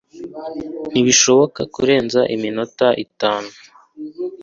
ntibishobora kurenza iminota itanu